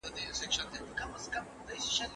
زه اوږده وخت مطالعه کوم وم.